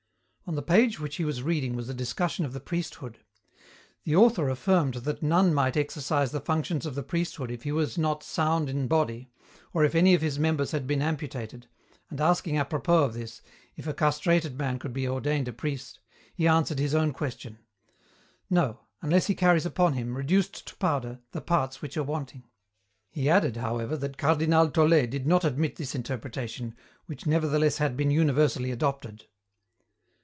On the page which he was reading was a discussion of the priesthood. The author affirmed that none might exercise the functions of the priesthood if he was not sound in body, or if any of his members had been amputated, and asking apropos of this, if a castrated man could be ordained a priest, he answered his own question, "No, unless he carries upon him, reduced to powder, the parts which are wanting." He added, however, that Cardinal Tolet did not admit this interpretation, which nevertheless had been universally adopted.